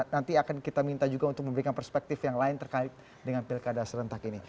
nanti akan kita minta juga untuk memberikan perspektif yang lain terkait dengan pilkada serentak ini